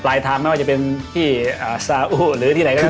หลายทางไม่ว่าจะเป็นที่อ่าซาอุห์หรือที่ไหนก็ได้